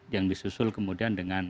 yang disusul kemudian dengan